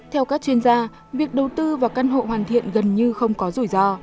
theo các chuyên gia việc đầu tư vào căn hộ hoàn thiện gần như không có rủi ro